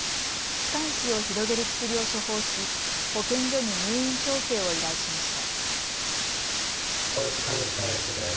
気管支を広げる薬を処方し保健所に入院調整を依頼しました。